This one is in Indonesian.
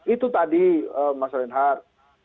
itu tadi mas rehat